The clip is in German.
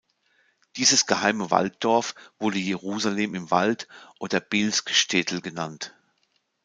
Dieses geheime Walddorf wurde „Jerusalem im Wald“ oder „Bielsk-Schtetl“ genannt.